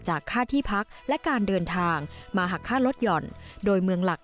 ค่าที่พักและการเดินทางมาหักค่าลดหย่อนโดยเมืองหลัก